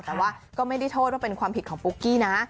แต่ว่าก็ไม่ได้โทษว่าเป็นความผิดของปุ๊กกี้นะ